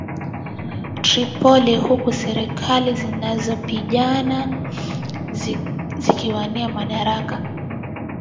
Tripoli huku serikali zinazopingana zikiwania madaraka